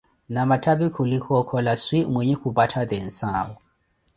na mathavi khulika okhola swi mwinhe khumpatha tensau